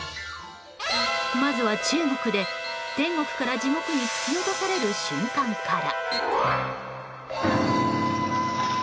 まずは中国で、天国から地獄に突き落とされる瞬間から。